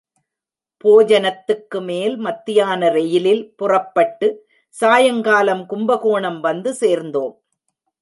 போஜனத்துக்குமேல் மத்தியான ரெயிலில் புறப்பட்டு சாயங்காலம் கும்பகோணம் வந்து சேர்ந்தோம்.